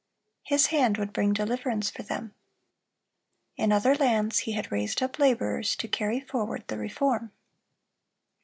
His hand would bring deliverance for them. In other lands He had raised up laborers to carry forward the reform.